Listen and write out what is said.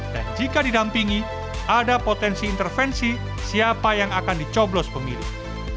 dan jika didampingi ada potensi intervensi siapa yang akan dicoblos pemilih